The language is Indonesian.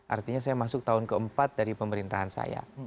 artinya saya masuk tahun keempat dari pemerintahan saya